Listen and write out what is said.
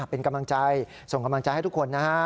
เป็นกำลังใจส่งกำลังใจให้ทุกคนนะฮะ